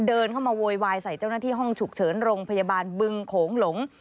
เดินเข้ามาโวยวายใส่เจ้าหน้าที่ห้องฉุกเฉินโรงพยาบาลบึงโขงหลง